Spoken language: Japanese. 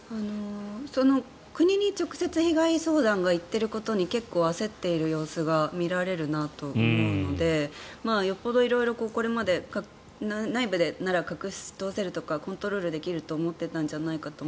国に直接被害相談が行ってることに結構、焦っている様子が見られるなと思うのでよっぽど色々これまで内部でなら隠し通せるとかコントロールできると思ってたんじゃないかと